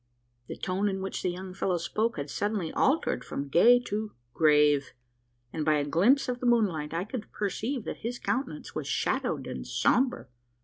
The tone in which the young fellow spoke had suddenly altered from gay to grave; and, by a glimpse of the moonlight, I could perceive that his countenance was shadowed and sombre.